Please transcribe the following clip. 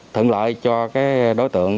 thượng lợi cho cái đối tượng